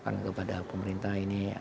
kepada pemerintah ini